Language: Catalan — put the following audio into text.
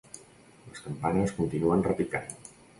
Les campanes continuen repicant.